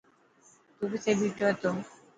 تون ڪٿي بيٺو هتو.